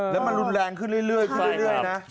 แล้วมันรุนแรงขึ้นเรื่อยนะ